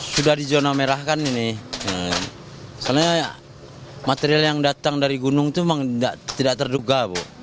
sudah di zona merah kan ini soalnya material yang datang dari gunung itu memang tidak terduga bu